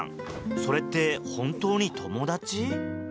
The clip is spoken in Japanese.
それって本当に友達？